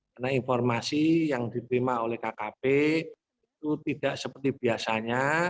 karena informasi yang diterima oleh kkp itu tidak seperti biasanya